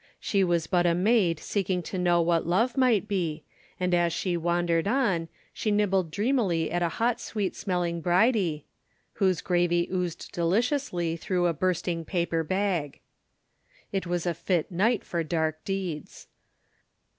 She was but a maid seeking to know what love might be, and as she wandered on, she nibbled dreamily at a hot sweet smelling bridie, whose gravy oozed deliciously through a bursting paper bag. It was a fit night for dark deeds.